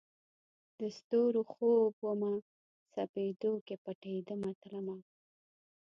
د ستورو خوب ومه، سپیدو کې پټېدمه تلمه